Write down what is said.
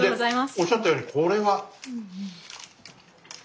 おっしゃったようにこれは。